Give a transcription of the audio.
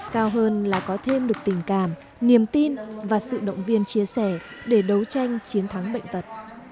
cao hơn là có thêm được tình cảm niềm tin và sự động viên chia sẻ để đấu tranh chiến thắng bệnh tật